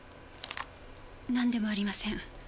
なんでもありません。